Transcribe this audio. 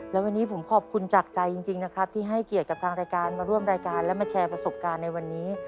และวันนี้ผมขอบคุณจากใจจริงนะครับที่ให้เกียรติกับทางรายการมาร่วมรายการและมาแชร์ประสบการณ์ในวันนี้